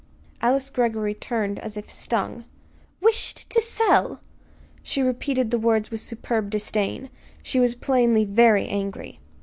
Alice Greggory turned as if stung. "Wished to sell!" She repeated the words with superb disdain. She was plainly very angry.